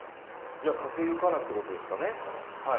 じゃあかけ湯からっていうことですかねはい。